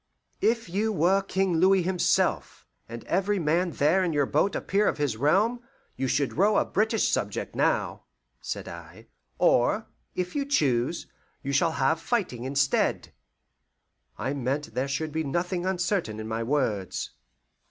"If you were King Louis himself, and every man there in your boat a peer of his realm, you should row a British subject now," said I; "or, if you choose, you shall have fighting instead." I meant there should be nothing uncertain in my words.